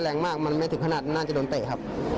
แล้วมาเมื่อไม่ถึงขนาดนั้นจะโดนเตะครับ